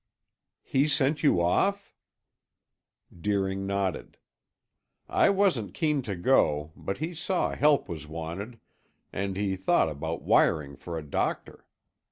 "He sent you off?" Deering nodded. "I wasn't keen to go, but he saw help was wanted, and he thought about wiring for a doctor.